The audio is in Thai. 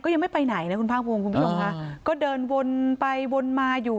ยังไม่ไปไหนนะคุณภาคภูมิคุณผู้ชมค่ะก็เดินวนไปวนมาอยู่